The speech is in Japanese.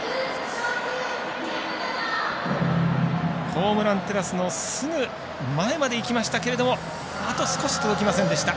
ホームランテラスのすぐ前までいきましたけれどもあと少し、届きませんでした。